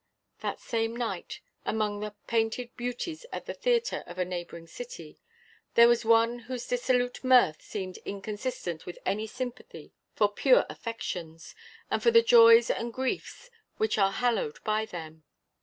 That same night, among the painted beauties at the theatre of a neighbouring city, there was one whose dissolute mirth seemed inconsistent with any sympathy for pure affections, and for the joys and griefs which are hallowed by them.